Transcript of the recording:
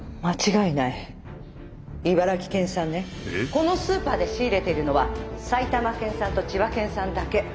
このスーパーで仕入れているのは埼玉県産と千葉県産だけ。